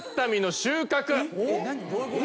どういうこと？